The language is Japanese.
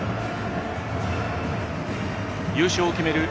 優勝を決める